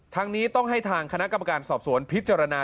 ทั้งนี้ต้องให้ทางคณะกรรมการสอบสวนพิจารณา